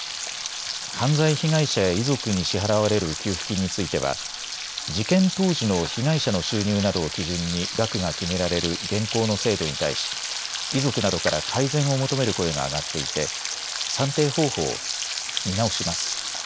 犯罪被害者や遺族に支払われる給付金については事件当時の被害者の収入などを基準に額が決められる現行の制度に対し、遺族などから改善を求める声が上がっていて算定方法を見直します。